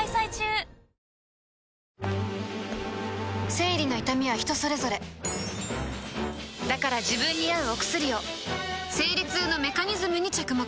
生理の痛みは人それぞれだから自分に合うお薬を生理痛のメカニズムに着目